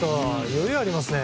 余裕ありますね。